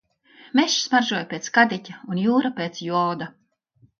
Mežs smaržoja pēc kadiķa un jūra pēc joda.